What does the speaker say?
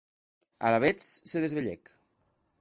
Alavetz se desvelhèc.